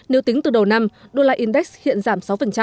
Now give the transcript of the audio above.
nếu tính từ đầu năm usd hiện giảm sáu